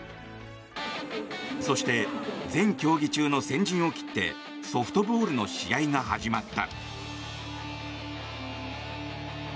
そして、全競技中の先陣を切ってソフトボールの試合が始まった。